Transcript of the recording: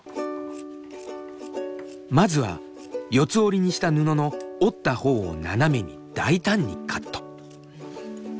まずは四つ折りにした布の折ったほうを斜めに大胆にカット。